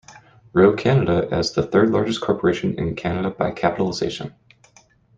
Roe Canada as the third largest corporation in Canada by capitalization.